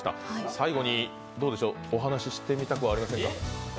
最後にどうでしょう、お話してみたくはありませんか？